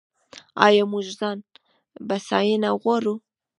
آیا موږ ځان بسیاینه غواړو؟